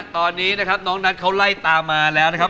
ตอนนี้นะครับน้องนัทเขาไล่ตามมาแล้วนะครับ